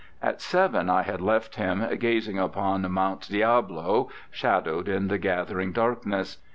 At seven I had left him gazing upon Mount Diabolo, shadowed in the gathering darkness.